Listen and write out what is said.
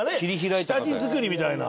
下地づくりみたいな。